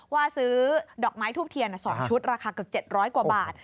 ว่าซื้อดอกไม้ทูบเทียน๒ชุดราคาเกือบ๗๐๐กว่าบาท